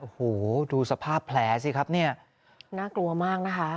โอ้โหดูสภาพแผลสิครับเนี่ยน่ากลัวมากนะคะ